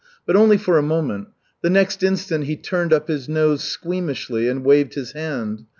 But only for a moment. The next instant he turned up his nose squeamishly and waved his hand.